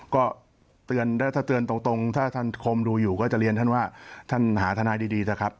ก็ถ้าเตือนตรงถ้าท่านคมดูอยู่ก็จะเรียนท่านว่าท่านหาทนายดีเถอะครับ